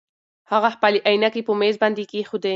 هغه خپلې عینکې په مېز باندې کېښودې.